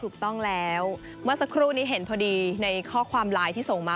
ถูกต้องแล้วเมื่อสักครู่นี้เห็นพอดีในข้อความไลน์ที่ส่งมา